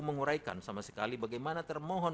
menguraikan sama sekali bagaimana termohon